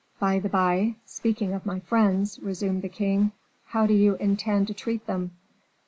"By the by, speaking of my friends," resumed the king; "how do you intend to treat them?"